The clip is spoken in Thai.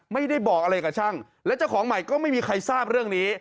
ไม่ได้บอกอะไรกับช่างและเจ้าของใหม่ก็ไม่มีใครทราบเรื่องนี้